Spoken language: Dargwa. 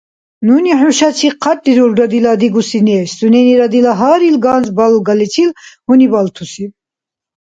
Нуни хӀушачи хъаррирулра дила дигуси неш, суненира дила гьарил ганз балгаличил гьуниббалтуси.